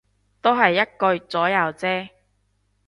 都係一個月左右啫